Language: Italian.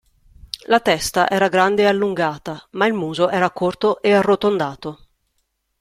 La testa era grande e allungata, ma il muso era corto e arrotondato.